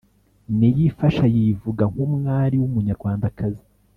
Niyifasha yivuga nk’umwari w’Umunyarwandakazi,